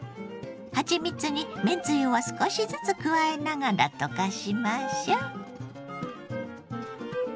はちみつにめんつゆを少しずつ加えながら溶かしましょう。